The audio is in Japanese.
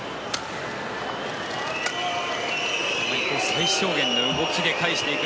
最小限の動きで返していく。